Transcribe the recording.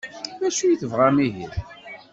D acu i tebɣam ihi?